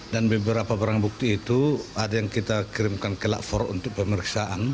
dan beberapa barang bukti itu ada yang kita kirimkan ke lapor untuk pemeriksaan